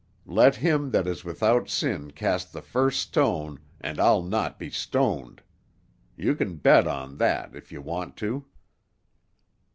Let him that is without sin cast the first stone, and I'll not be stoned. You can bet on that, if you want to."